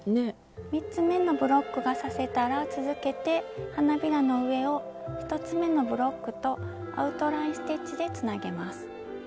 ３つ目のブロックが刺せたら続けて花びらの上を１つ目のブロックとアウトライン・ステッチでつなげます。